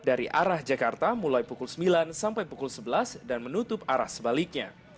dari arah jakarta mulai pukul sembilan sampai pukul sebelas dan menutup arah sebaliknya